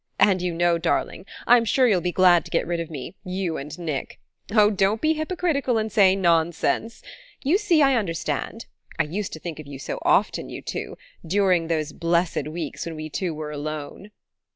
"And you know, darling, I'm sure you'll be glad to get rid of me you and Nick! Oh, don't be hypocritical and say 'Nonsense!' You see, I understand... I used to think of you so often, you two... during those blessed weeks when we two were alone...."